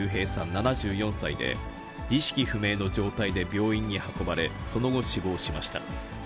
７４歳で、意識不明の状態で病院に運ばれ、その後、死亡しました。